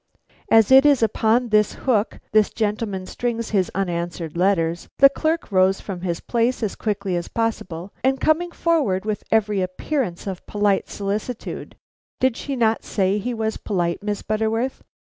As it is upon this hook this gentleman strings his unanswered letters, the clerk rose from his place as quickly as possible, and coming forward with every appearance of polite solicitude, did she not say he was polite, Miss Butterworth?